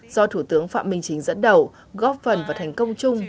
của tướng phạm minh chính dẫn đầu góp phần và thành công chung